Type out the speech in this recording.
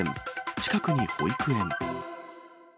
近くに保育園。